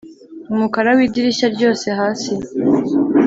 umukara w'idirishya ryose hasi